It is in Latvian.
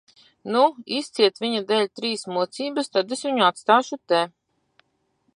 Nu, izciet viņa dēļ trīs mocības, tad es viņu atstāšu te.